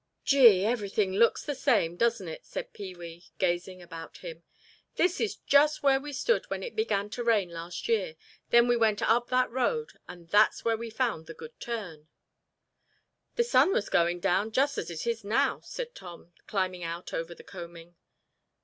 "Gee, everything looks the same, doesn't it," said Pee wee, gazing about him. "This is just where we stood when it began to rain last year. Then we went up that road and that's where we found the Good Turn." "The sun was going down just as it is now," said Tom, climbing out over the combing.